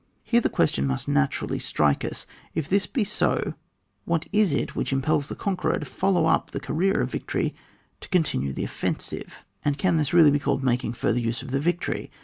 Here the question must naturally strike us ; if this be so, what is it which impels the conqueror to follow up the career of victory to continue the offen sive? And can this really be called making further use of the victory?